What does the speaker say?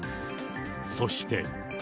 そして。